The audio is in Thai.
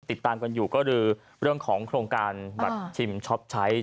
ติดตามกันอยู่ก็คือเรื่องของโครงการบัตรชิมช็อปใช้